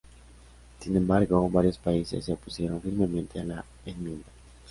Sin embargo, varios países se opusieron firmemente a la enmienda.